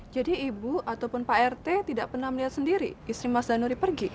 jadi ibu ataupun pak rt tidak pernah melihat sendiri istri mas danuri pergi